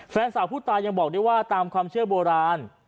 แฟนสาวผู้ตายยังบอกได้ว่าตามความเชื่อโบราณ